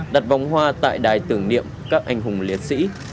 đặt vòng hoa tại đài tưởng niệm các anh hùng liệt sĩ